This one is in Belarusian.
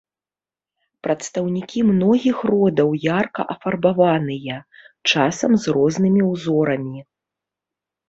Прадстаўнікі многіх родаў ярка афарбаваныя, часам з рознымі ўзорамі.